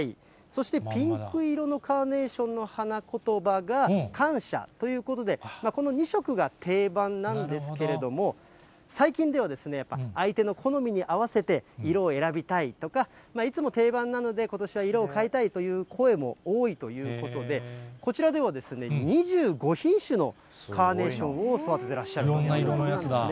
そして、ピンク色のカーネーションの花言葉が感謝ということで、この２色が定番なんですけれども、最近ではですね、相手の好みに合わせて色を選びたいとか、いつも定番なので、ことしは色を変えたいという声も多いということで、こちらでは２５品種のカーネーションを育ててらっしゃるそうです。